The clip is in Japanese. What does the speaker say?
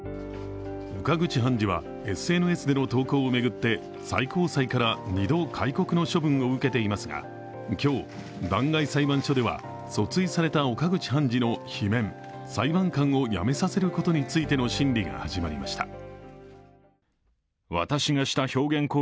岡口判事はＳＮＳの投稿を巡って最高裁から２度戒告の処分を受けていますが今日、弾劾裁判所では訴追された岡口判事の罷免、裁判官を辞めさせることについての審理が始まりました。